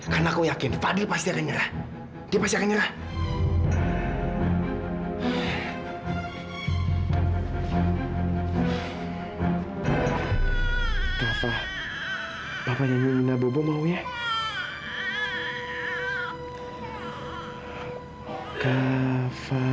dan aku akan tunggu di sini sampai fadlin dan dia minta bantuan aku untuk diemin kava